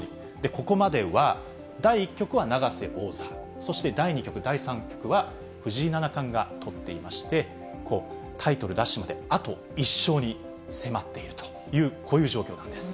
ここまでは、第１局は永瀬王座、そして第２局、第３局は藤井七冠がとっていまして、タイトル奪取まであと１勝に迫っているという、こういう状況なんです。